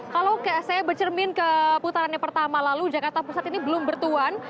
kalau saya bercermin ke putaran yang pertama lalu jakarta pusat ini belum bertuan